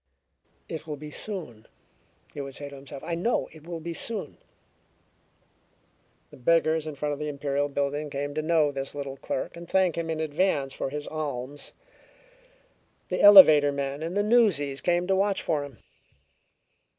"It will be soon," he would say to himself. "I know it will be soon." The beggars in front of the Imperial building came to know the little clerk and thank him in advance for his alms. The elevator men and the newsies came to watch for him.